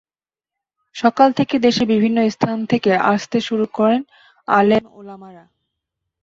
সকাল থেকে দেশের বিভিন্ন স্থান থেকে আসতে শুরু করেন আলেম ওলামারা।